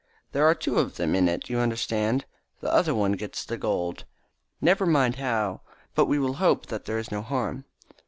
There are two of them in it, you understand. The other one gets the gold. Never mind how, but we will hope that there is no harm.